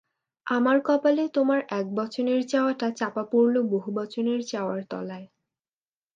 আমার কপালে তোমার একবচনের চাওয়াটা চাপা পড়ল বহুবচনের চাওয়ার তলায়।